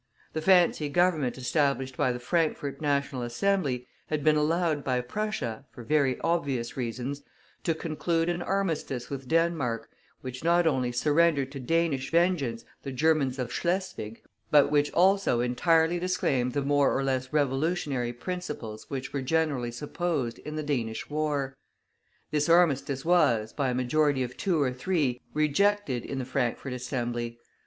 The fancy Government established by the Frankfort National Assembly had been allowed by Prussia, for very obvious reasons, to conclude an armistice with Denmark, which not only surrendered to Danish vengeance the Germans of Schleswig, but which also entirely disclaimed the more or less revolutionary principles which were generally supposed in the Danish war. This armistice was, by a majority of two or three, rejected in the Frankfort Assembly.